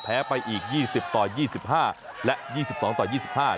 แพ้ไปอีก๒๐ต่อ๒๕และ๒๒ต่อ๒๕